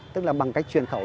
tức là bằng cách truyền khẩu